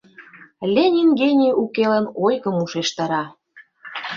Ленин — гений укелан ойгым ушештара.